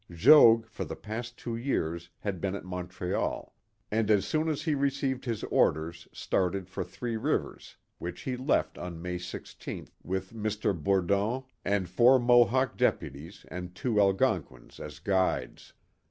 Jogues for the past two years had been at Montreal, and as soon as he received his orders started for Three Rivers, which he left on Mav i6th with Mr. Bourdon and four Mohawk de puties and two Algonquins as guides.